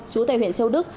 chú tại huyện châu đức